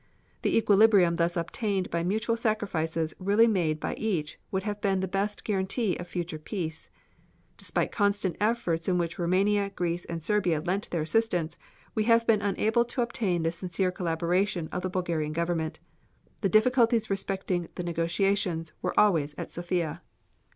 The equilibrium thus obtained by mutual sacrifices really made by each would have been the best guarantee of future peace. Despite constant efforts in which Roumania, Greece and Serbia lent their assistance, we have been unable to obtain the sincere collaboration of the Bulgarian Government. The difficulties respecting the negotiations were always at Sofia.